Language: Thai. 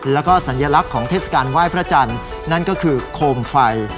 แล้วก็สัญลักษณ์ของเทศกาลไหว้พระจันทร์นั่นก็คือโคมไฟ